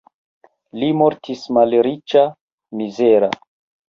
Li mortis malriĉa, mizera.